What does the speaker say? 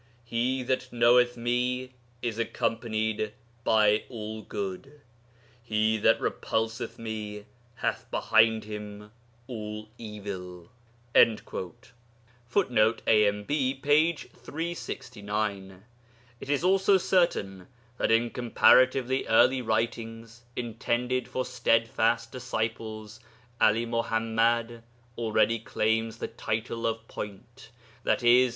He that knoweth Me is accompanied by all good; he that repulseth Me hath behind him all evil.' [Footnote: AMB, p. 369.] It is also certain that in comparatively early writings, intended for stedfast disciples, 'Ali Muḥammad already claims the title of Point, i.e.